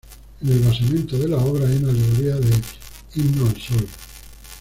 En el basamento de la obra hay una alegoría del "Himno al Sol".